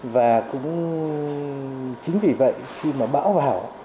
và cũng chính vì vậy khi mà bão vào